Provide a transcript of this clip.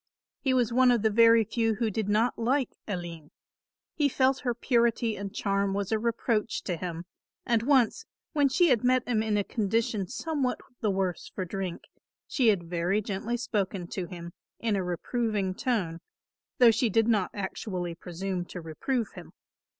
He was one of the very few who did not like Aline. He felt her purity and charm was a reproach to him, and once, when she had met him in a condition somewhat the worse for drink, she had very gently spoken to him in a reproving tone, though she did not actually presume to reprove him.